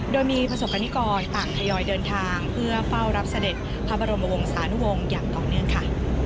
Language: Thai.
โดยมีประสบกรณิกรต่างทยอยเดินทางเพื่อเฝ้ารับเสด็จพระบรมวงศานุวงศ์อย่างต่อเนื่องค่ะ